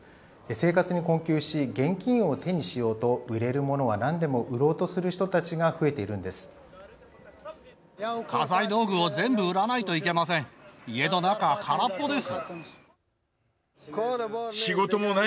生活に困窮し現金を手にしようと売れる物はなんでも売ろうとする人たちが増えているんです。